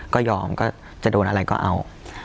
ก็ยอมก็จะโดนอะไรก็เอา